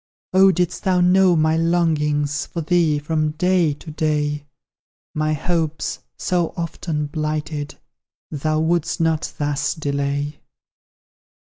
Oh, didst thou know my longings For thee, from day to day, My hopes, so often blighted, Thou wouldst not thus delay!